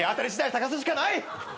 捜すしかない！